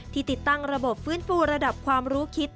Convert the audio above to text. ติดตั้งระบบฟื้นฟูระดับความรู้คิด